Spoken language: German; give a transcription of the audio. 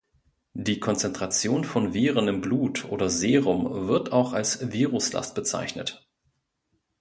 Die Konzentration von Viren im Blut oder Serum wird auch als Viruslast bezeichnet.